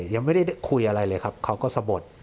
ยังไม่ได้คุยอะไรเลยครับเขาก็สะบด